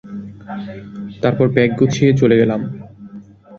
তারপর ব্যাগ গুছিয়ে চলে গেলাম।